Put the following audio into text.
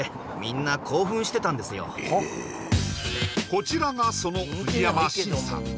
こちらがその藤山しんさん